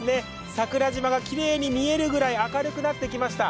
桜島がきれいに見えるくらい明るくなってきました。